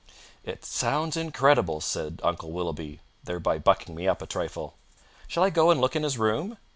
"It sounds incredible," said Uncle Willoughby, thereby bucking me up a trifle. "Shall I go and look in his room?"